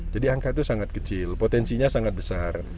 jadi angka itu sangat kecil potensinya sangat besar